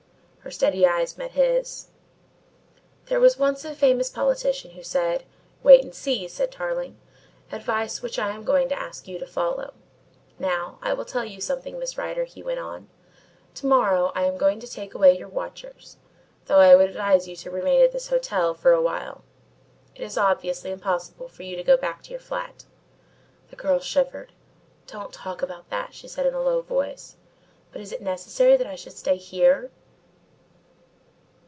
Her steady eyes met his. "There was once a famous politician who said 'Wait and see,'" said Tarling, "advice which I am going to ask you to follow. Now, I will tell you something, Miss Rider," he went on. "To morrow I am going to take away your watchers, though I should advise you to remain at this hotel for a while. It is obviously impossible for you to go back to your flat." The girl shivered. "Don't talk about that," she said in a low voice. "But is it necessary that I should stay here?"